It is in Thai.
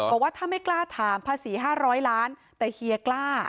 บอกว่าถ้าไม่กล้าถามภาษี๕๐๐ล้านแต่เฮียกล้า